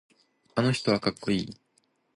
あの人はかっこいい。